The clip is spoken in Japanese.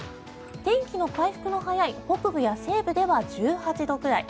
天気の回復の早い北部や西部では１８度くらい。